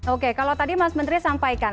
oke kalau tadi mas menteri sampaikan